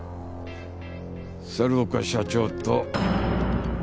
猿岡社長と。